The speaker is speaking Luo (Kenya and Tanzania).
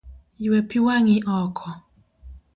Ywe pi wang'i oko.